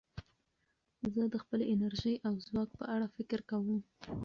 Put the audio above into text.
زه د خپلې انرژۍ او ځواک په اړه فکر کوم.